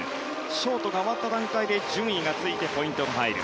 ショートが終わった段階で順位がついてポイントが入る。